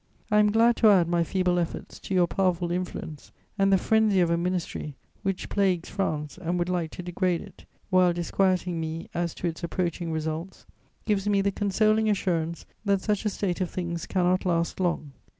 I am glad to add my feeble efforts to your powerful influence; and the frenzy of a ministry which plagues France and would like to degrade it, while disquieting me as to its approaching results, gives me the consoling assurance that such a state of things cannot last long.